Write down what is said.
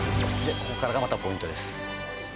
ここからがまたポイントです